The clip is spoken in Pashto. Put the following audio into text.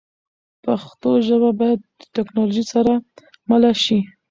پښتو ژبه باید د ټکنالوژۍ سره مله شي.